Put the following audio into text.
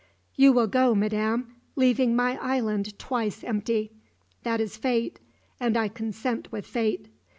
"You will go, madam, leaving my island twice empty. That is Fate, and I consent with Fate.